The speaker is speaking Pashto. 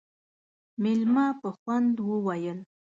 مېلمه په خوند وويل: